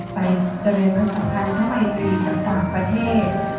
ไปเจริญภาษาภัณฑ์ธรรมิตรีกับต่างประเทศ